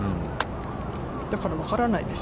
だから、分からないです。